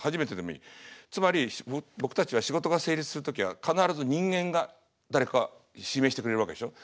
つまり僕たちは仕事が成立する時は必ず人間が誰か指名してくれるわけでしょ？